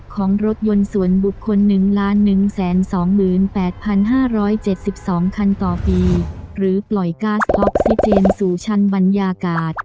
ของรถยนต์สวนบุคคลหนึ่งล้านหนึ่งแสนสองหมื่นแปดพันห้าร้อยเจ็ดสิบสองคันต่อปีหรือปล่อยกาสออกซิเจนสู่ชั้นบรรยากาศ